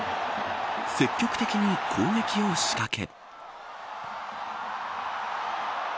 積極的に攻撃を仕掛け。